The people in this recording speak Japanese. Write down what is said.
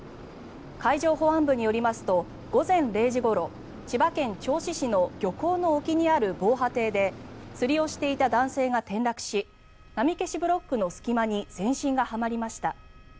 海上保安部によりますと午前０時ごろ千葉県銚子市の漁港の沖にある防波堤で釣りをしていた男性が転落し波消しブロックの隙間に全身がはまりました。